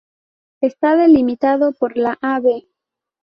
Está delimitado por la Av.